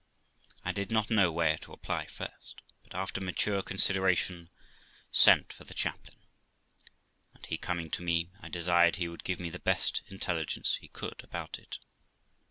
I did not know where to apply first, but after mature consideration sent for the chaplain, and he coming to me, I desired he would give me the best intelligence he could about it.